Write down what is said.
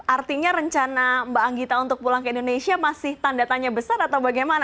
artinya rencana mbak anggita untuk pulang ke indonesia masih tanda tanya besar atau bagaimana